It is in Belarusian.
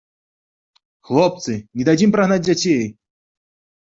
Хлопцы, не дадзім прагнаць дзяцей?